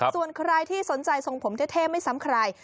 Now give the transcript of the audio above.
ส่วนใครที่สนใจทรงผมเท่ไม่ซ้ำใคร